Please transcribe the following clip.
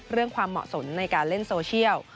เรื่องความเหมาะสนในการเล่นโซเชียล